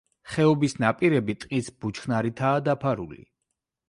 ხეობის ნაპირები ტყის ბუჩქნარითაა დაფარული.